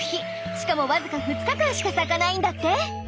しかもわずか２日間しか咲かないんだって。